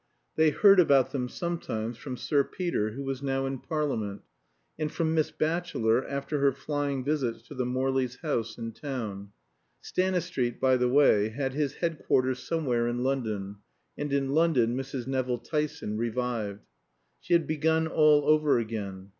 They heard about them sometimes from Sir Peter, who was now in Parliament; and from Miss Batchelor, after her flying visits to the Morleys' house in town. Stanistreet, by the way, had his headquarters somewhere in London; and in London Mrs. Nevill Tyson revived. She had begun all over again.